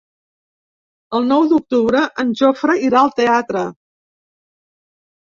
El nou d'octubre en Jofre irà al teatre.